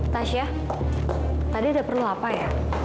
tasya tadi udah perlu apa ya